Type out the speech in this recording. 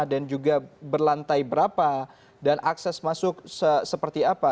dan juga berlantai berapa dan akses masuk seperti apa